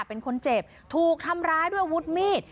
เป็นคนเจ็บถูกทำร้ายด้วยอาวุธมีด